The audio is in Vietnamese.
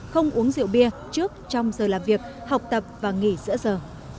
không uống rượu bia trước trong giờ làm việc học tập và nghỉ giữa giờ